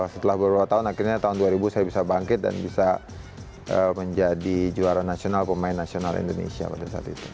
setelah beberapa tahun akhirnya tahun dua ribu saya bisa bangkit dan bisa menjadi juara nasional pemain nasional indonesia pada saat itu